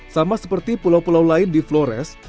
sama seperti pulau pulau lain di flores